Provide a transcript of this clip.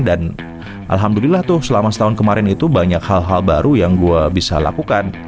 dan alhamdulillah tuh selama setahun kemarin itu banyak hal hal baru yang gue bisa lakukan